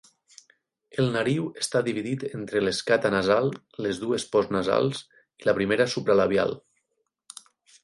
El nariu està dividit entre l'escata nasal, les dues postnasals i la primera supralabial.